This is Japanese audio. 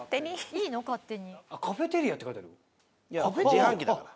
自販機だから。